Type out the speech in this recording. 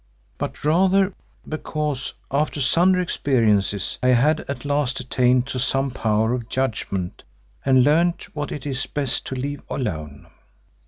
but rather because, after sundry experiences, I had at last attained to some power of judgment and learned what it is best to leave alone.